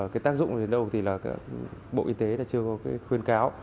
cái tác dụng đến đâu thì bộ y tế chưa có khuyên cáo